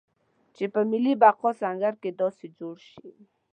چې په ملي بقا سنګر کې داسې جوړ شي.